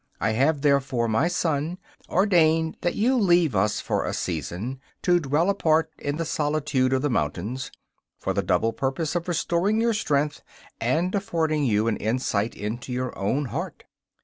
I have, therefore, my son, ordained that you leave us for a season, to dwell apart in the solitude of the mountains, for the double purpose of restoring your strength and affording you an insight into your own heart.